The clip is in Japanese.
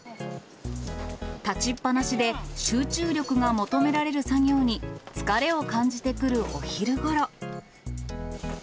立ちっぱなしで、集中力が求められる作業に、疲れを感じてくるお昼ごろ。